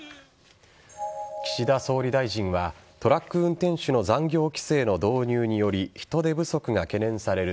岸田総理大臣はトラック運転手の残業規制の導入により人手不足が懸念される